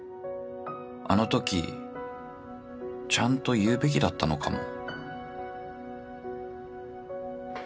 あのときちゃんと言うべきだったのかも